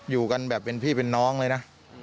อยู่กันแบบเป็นพี่เป็นน้องเลยนะ